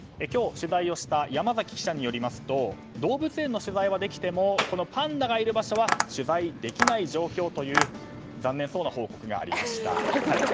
今日、取材をした山崎記者によりますと動物園の取材はできてもパンダがいる場所は取材できない状況という残念そうな報告がありました。